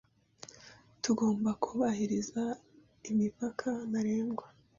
Tugomba kubahiriza imipaka ntarengwa.